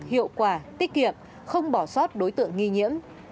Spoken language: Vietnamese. hiệu quả tiết kiệm không bỏ sót đối tượng nghi nhiễm